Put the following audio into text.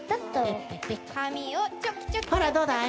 ほらどうだい？